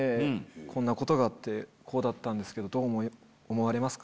こんなことがあってこうだったんですけどどう思われますか？